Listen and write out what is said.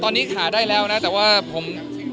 อ๋อตอนนี้ค่ะได้แล้วนะแต่ว่าผม